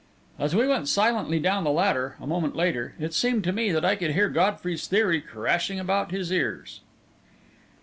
As we went silently down the ladder, a moment later, it seemed to me that I could hear Godfrey's theory crashing about his ears.